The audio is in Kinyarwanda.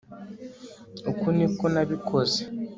uku niko nabikoze